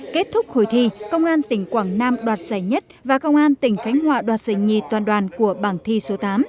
kết thúc hội thi công an tỉnh quảng nam đoạt giải nhất và công an tỉnh khánh hòa đoạt giải nhì toàn đoàn của bảng thi số tám